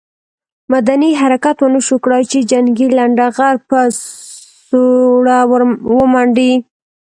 مدني حرکت ونه شو کړای چې جنګي لنډه غر په سوړه ومنډي.